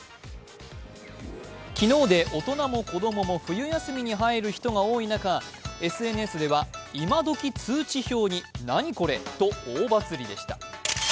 昨日で大人も子供も冬休みに入る人が多い中、ＳＮＳではイマドキ通知表に、何これ、と大バズりでした。